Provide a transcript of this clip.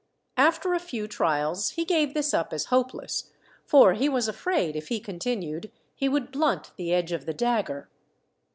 After a few trials he gave this up as hopeless, for he was afraid, if he continued, he would blunt the edge of the dagger.